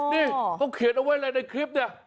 นี่เขาเขียนเอาไว้เลยในคลิปเนี่ย